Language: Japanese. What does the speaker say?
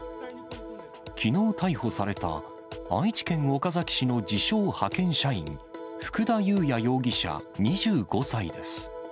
きのう逮捕された、愛知県岡崎市の自称派遣社員、福田友也容疑者２５歳です。